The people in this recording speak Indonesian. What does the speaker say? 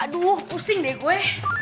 aduh pusing deh gue